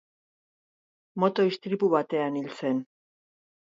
Moto istripu batean hil zen.